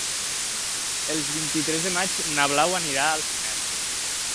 El vint-i-tres de maig na Blau anirà al cinema.